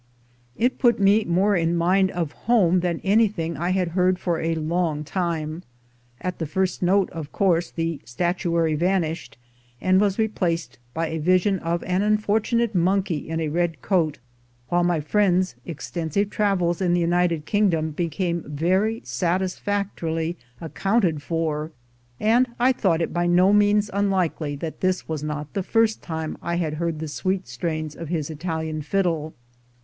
It put me more in mind of home than anything I had heard for a long time. At the first note, of course, the statuary vanished, and was replaced by a vision of an unfortunate monkey in a red coat, while my friend's extensive travels in the United Kingdom became very satisfactorily accounted for, and I thought it by no means unlikely that this was not the first time I had heard the sweet strains of his Italian fiddle.